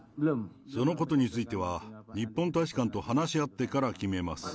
そのことについては、日本大使館と話し合ってから決めます。